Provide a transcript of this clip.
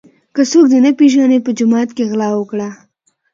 که څوک دي نه پیژني په جومات کي غلا وکړه.